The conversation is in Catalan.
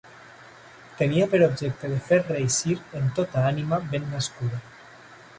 tenia per objecte de fer reeixir en tota ànima ben nascuda